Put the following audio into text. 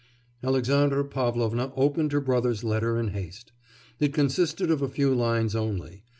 Alexandra Pavlovna opened her brother's letter in haste. It consisted of a few lines only.